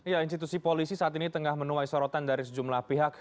ya institusi polisi saat ini tengah menuai sorotan dari sejumlah pihak